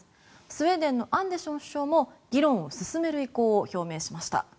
スウェーデンのアンデション首相も議論を進める意向を表明しました。